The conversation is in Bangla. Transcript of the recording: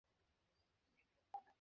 ওরা আগুন ভয় পায়!